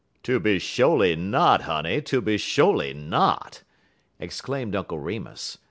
"Tooby sho'ly not, honey; tooby sho'ly not!" exclaimed Uncle Remus.